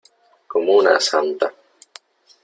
como una santa .